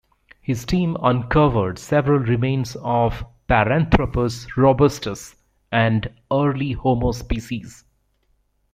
His team uncovered several remains of "Paranthropus robustus" and early "Homo" species.